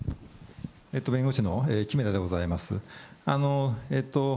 弁護士の木目田でございます。